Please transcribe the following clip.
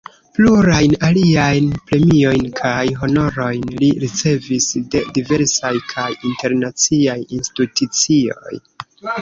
Plurajn aliajn premiojn kaj honorojn li ricevis de diversaj kaj internaciaj institucioj.